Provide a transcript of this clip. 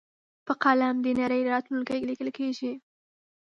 په قلم د نړۍ راتلونکی لیکل کېږي.